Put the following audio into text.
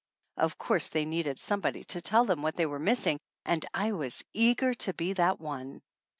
Of course they needed somebody to tell them what they were missing and I was eager to be that one